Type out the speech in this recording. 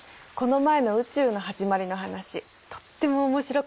この前の宇宙の始まりの話とっても面白かった。